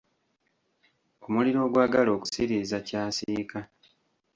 Omuliro ogwagala okusiriiza ky'asiika.